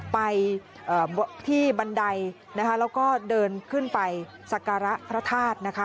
ไปที่บันไดนะคะแล้วก็เดินขึ้นไปสักการะพระธาตุนะคะ